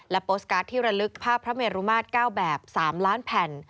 โพสต์การ์ดที่ระลึกภาพพระเมรุมาตร๙แบบ๓ล้านแผ่น